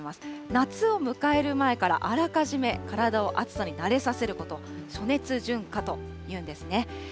夏を迎える前からあらかじめ体を暑さに慣れさせること、暑熱順化というんですね。